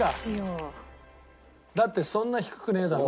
だってそんな低くねえだろ。